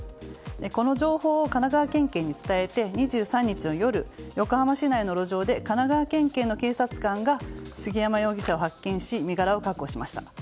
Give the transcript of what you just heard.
この情報を神奈川県警に伝えて、２３日の夜横浜市内の路上で神奈川県警の警察官が杉山容疑者を発見し身柄を確保しました。